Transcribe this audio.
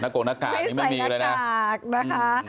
นักโกนากากนี้ไม่มีเลยนะพี่ใส่นักกากนะคะ